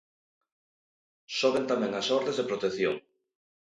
Soben tamén as ordes de protección.